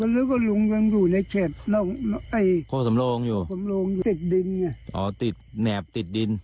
ลูกก็รู้ว่าลูกช่วยอยู่ในเกร็ดข้อสำโรงอยู่ติดดิน